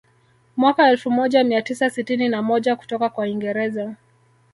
Mwaka elfu moja mia tisa sitini na moja kutoka kwa Uingereza